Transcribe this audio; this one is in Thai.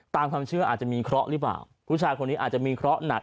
ตามความเชื่ออาจจะมีเคราะห์หรือเปล่าผู้ชายคนนี้อาจจะมีเคราะหนัก